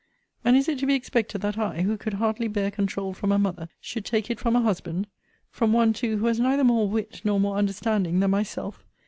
And is it to be expected that I, who could hardly bear control from a mother, should take it from a husband? from one too, who has neither more wit, nor more understanding, than myself?